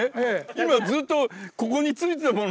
今ずっとここについてたものですよ？